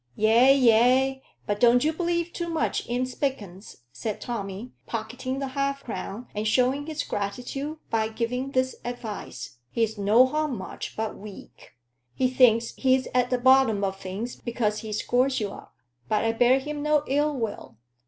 "Ay, ay. But don't you believe too much i' Spilkins," said Tommy, pocketing the half crown, and showing his gratitude by giving this advice "he's no harm much but weak. He thinks he's at the bottom o' things because he scores you up. But I bear him no ill will.